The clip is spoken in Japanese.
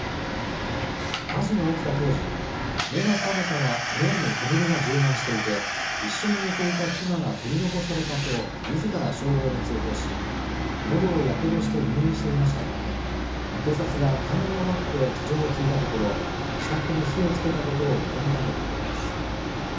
火事が起きた当時、目が覚めたら部屋に煙が充満していて、一緒に寝ていた妻が取り残されたとみずから消防に通報し、のどをやけどして入院していましたが、警察が退院を待って事情を聴いたところ、自宅に火をつけたことを認めたということです。